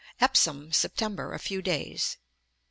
Epsom, September; a few days.